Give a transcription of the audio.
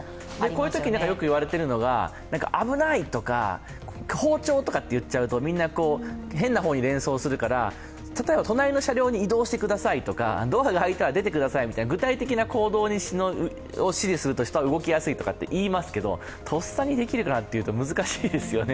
こういうときによく言われているのは「危ない」とか「包丁」とかと言っちゃうと、みんな変な方に連想しちゃうから例えば隣の車両に移動してくださいとかドアが開いたら出てくださいとか、具体的な行動を指示すると動きやすいといいますけどとっさにできるかなというと、難しいですよね。